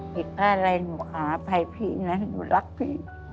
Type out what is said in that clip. ผิดพลาดอะไรหนูขออภัยพี่นะหนูรักพี่